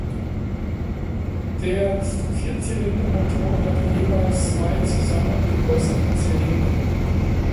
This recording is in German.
Der Vierzylindermotor hatte jeweils zwei zusammen gegossene Zylinder.